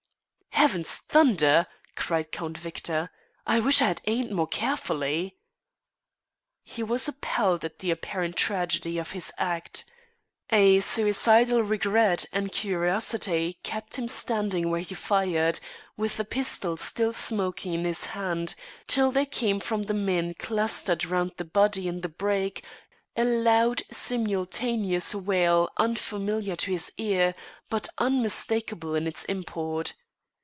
"Heaven's thunder!" cried Count Victor, "I wish I had aimed more carefully." He was appalled at the apparent tragedy of his act. A suicidal regret and curiosity kept him standing where he fired, with the pistol still smoking in his hand, till there came from the men clustered round the body in the brake a loud simultaneous wail unfamiliar to his ear, but unmistakable in its import.